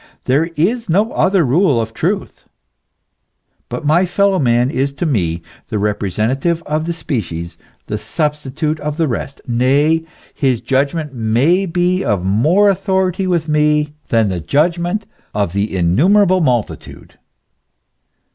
There is no other rule of truth. But my fellow man is to me the representative of the species, the substitute of the rest, nay his judgment may be of more authority with me than the judgment of the innumerable multitude.